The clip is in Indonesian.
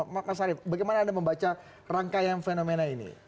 makasarif bagaimana anda membaca rangkaian fenomena ini